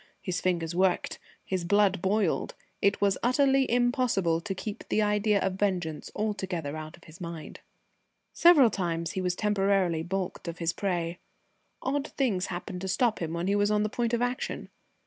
His fingers worked. His blood boiled. It was utterly impossible to keep the idea of vengeance altogether out of his mind. Several times he was temporarily baulked of his prey. Odd things happened to stop him when he was on the point of action.